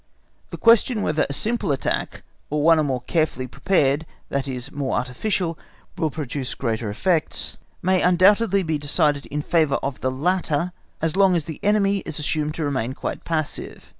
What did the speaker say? The question whether a simple attack, or one more carefully prepared, i.e., more artificial, will produce greater effects, may undoubtedly be decided in favour of the latter as long as the enemy is assumed to remain quite passive.